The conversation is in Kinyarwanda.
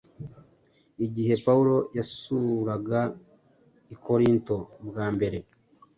Igihe Pawulo yasuraga i Korinto bwa mbere,